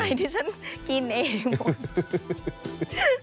ไหนที่ฉันกินเองหมด